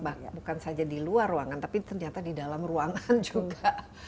bahkan bukan saja di luar ruangan tapi ternyata di dalam ruangan juga